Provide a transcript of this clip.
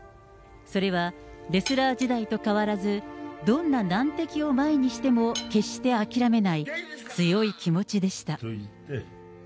それは、レスラー時代と変わらず、どんな難敵を前にしても決して諦めない、強い気持ちでした。